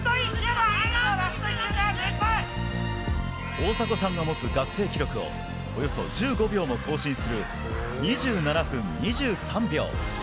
大迫さんが持つ学生記録をおよそ１５秒も更新する２７分２３秒。